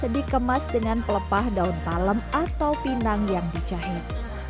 dikemas dengan pelepah daun palem atau pinang yang dicahit